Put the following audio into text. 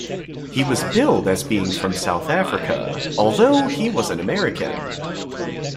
He was billed as being from South Africa, although he was an American.